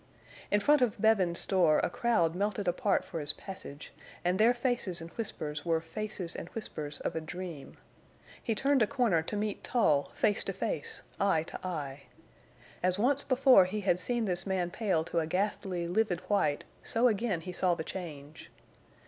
In front of Bevin's store a crowd melted apart for his passage, and their faces and whispers were faces and whispers of a dream. He turned a corner to meet Tull face to face, eye to eye. As once before he had seen this man pale to a ghastly, livid white so again he saw the change.